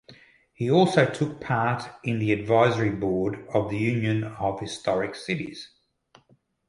He also took part in the Advisory Board of the Union of Historic Cities.